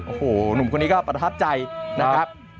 โอ้โหหนุ่มคนนี้ก็ประทับใจนะครับ